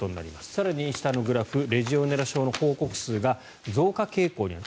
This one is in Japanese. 更に下のグラフレジオネラ症の報告数が増加傾向にある。